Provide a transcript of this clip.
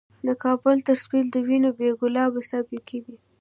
د کـــــــــابل تصویر د وینو ،بې ګلابه ستا پیکی دی